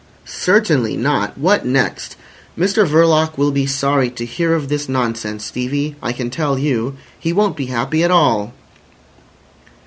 "Certainly not. What next! Mr Verloc will be sorry to hear of this nonsense, Stevie,—I can tell you. He won't be happy at all."